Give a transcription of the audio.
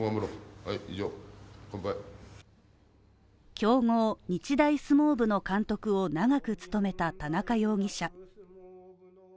強豪日大相撲部の監督を長く務めた田中容疑者。